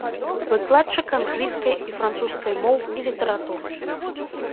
Выкладчык англійскай і французскай моў і літаратур.